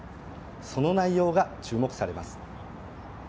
その内容が注目されます。